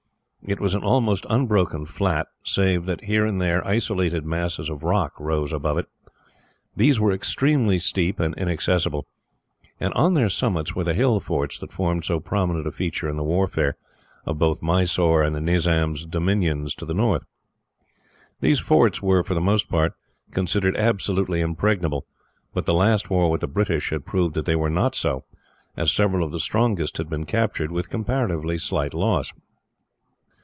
It was an almost unbroken flat, save that here and there isolated masses of rock rose above it. These were extremely steep and inaccessible, and on their summits were the hill forts that formed so prominent a feature in the warfare of both Mysore and the Nizam's dominions to the north. These forts were, for the most part, considered absolutely impregnable, but the last war with the British had proved that they were not so, as several of the strongest had been captured, with comparatively slight loss.